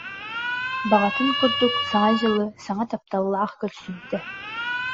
Баҕатын курдук Саҥа дьылы саҥа тапталлаах көрсүбүтэ